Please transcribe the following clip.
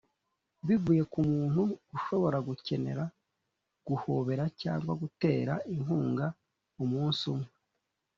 bivuye kumuntu ushobora gukenera guhobera cyangwa gutera inkunga umunsi umwe.